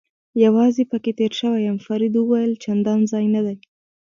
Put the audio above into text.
یوازې پکې تېر شوی یم، فرید وویل: چندان ځای نه دی.